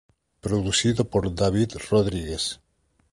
Producido por David Rodríguez.